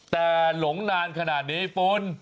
แต่หลงนานขนาดนี้คุณ